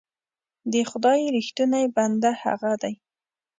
د خدای رښتونی بنده هغه دی.